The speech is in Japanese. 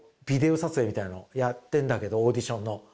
「ビデオ撮影みたいのやってるんだけどオーディションの。